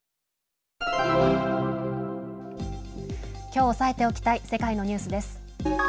きょう押さえておきたい世界のニュースです。